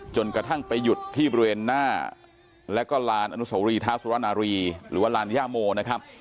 จนกระทั่งไปหยุดที่บริเวณหน้าแล้วก็ลานอนุโสรีเท้าสุรนารีหรือว่าลานย่าโมนะครับ